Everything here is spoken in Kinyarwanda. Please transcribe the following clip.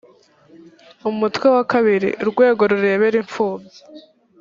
umutwe wa ii urwego rureberera imfubyi